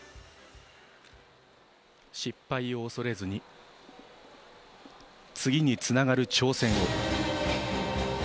失敗を恐れずに次に繋がる挑戦を。